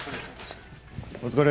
お疲れ。